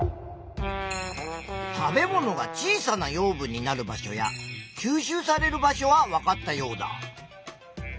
食べ物が小さな養分になる場所や吸収される場所はわかったヨウダ。